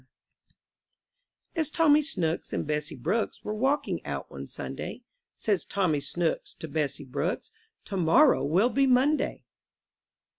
45 MY BOOK HOUSE A S Tommy Snooks and Bessie Brooks ^^ Were walking out one Sunday, Says Tommy Snooks to Bessie Brooks, Tomorrow will be Monday!"